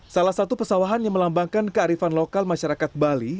salah satu pesawahan yang melambangkan kearifan lokal masyarakat bali